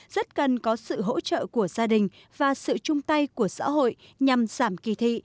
rất cần có sự hỗ trợ của gia đình và sự chung tay của xã hội nhằm giảm kỳ thị